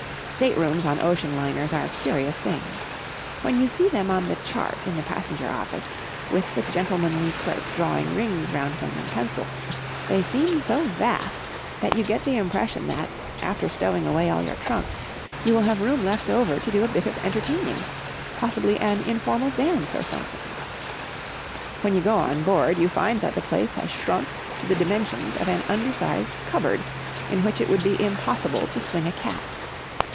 State rooms on ocean liners are curious things. When you see them on the chart in the passenger office, with the gentlemanly clerk drawing rings round them in pencil, they seem so vast that you get the impression that, after stowing away all your trunks, you will have room left over to do a bit of entertaining—possibly an informal dance or something. When you go on board, you find that the place has shrunk to the dimensions of an undersized cupboard in which it would be impossible to swing a cat.